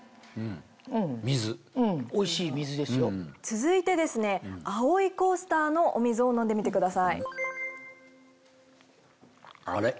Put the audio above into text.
続いてですね青いコースターのお水を飲んでみてください。あれ？